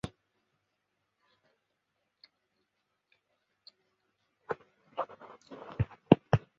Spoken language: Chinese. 格林斯堡是路易斯安那州最古老的城镇之一。